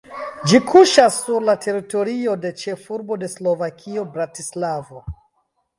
Ĝi kuŝas sur la teritorio de ĉefurbo de Slovakio Bratislavo.